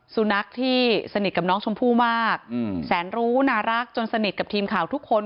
สุนัขที่สนิทกับน้องชมพู่มากแสนรู้น่ารักจนสนิทกับทีมข่าวทุกคน